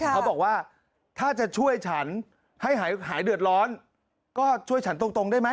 เขาบอกว่าถ้าจะช่วยฉันให้หายเดือดร้อนก็ช่วยฉันตรงได้ไหม